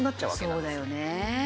そうだよね。